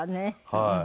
はい。